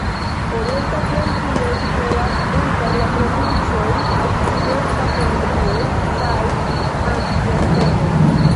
Orienta Flandrio situas inter la provincoj Okcidenta Flandrio kaj Antverpeno.